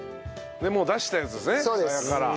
もう出したやつですねさやから。